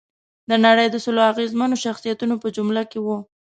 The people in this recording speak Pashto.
د نړۍ د سلو اغېزمنو شخصیتونو په جمله کې وه.